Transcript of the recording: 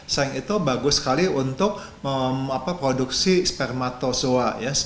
zinc itu bagus sekali untuk produksi spermatozoa